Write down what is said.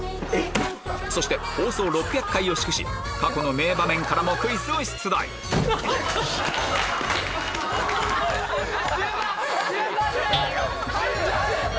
そして放送６００回を祝し過去の名場面からもクイズを出題順番！